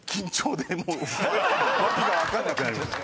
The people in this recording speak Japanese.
訳が分かんなくなりました。